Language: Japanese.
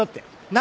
何？